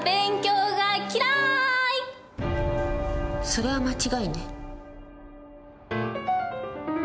それは間違いね。